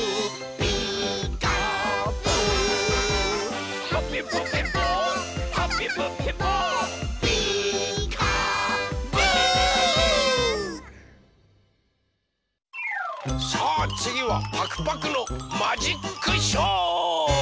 「ピーカーブ！」さあつぎはパクパクのマジックショー！